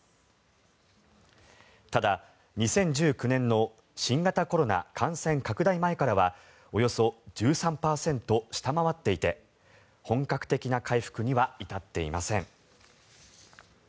ただ、２０１９年の新型コロナ感染拡大前からはおよそ１３％下回っていて本格的な回復には至っていません。